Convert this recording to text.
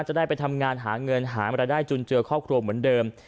จะได้ไปทำงานหาเงินหามารายได้จุนเจือครอบครัวเหมือนเดิม